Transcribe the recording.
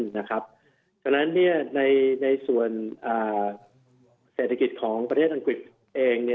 เพราะฉะนั้นในส่วนเศรษฐกิจของประเทศอังกฤษเอง